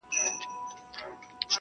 سایه یې نسته او دی روان دی.